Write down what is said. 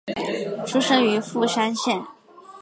出身于富山县。